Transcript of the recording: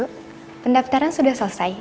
bu pendaftaran sudah selesai